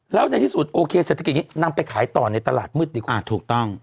แล้วในที่สุดโอเคเศรษฐกิจนี้นำไปขายต่อในตลาดมืดดีกว่าถูกต้อง